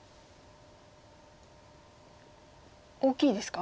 大きいですか。